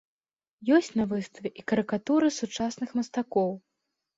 Ёсць на выставе і карыкатуры сучасных мастакоў.